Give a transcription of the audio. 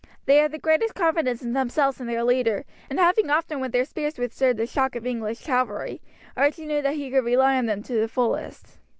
They had the greatest confidence in themselves and their leader, and having often with their spears withstood the shock of the English chivalry, Archie knew that he could rely upon them to the fullest.